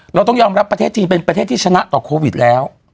เราต้องยอมรับประเทศจีนเป็นประเทศที่ชนะต่อโควิดแล้ว